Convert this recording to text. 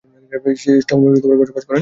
সে স্টকহোমে বসবাস করেন।